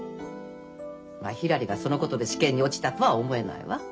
まあひらりがそのことで試験に落ちたとは思えないわ。